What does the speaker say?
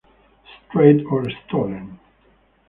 Strayed or Stolen.